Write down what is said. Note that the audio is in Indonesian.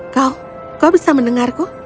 kau kau bisa mendengarku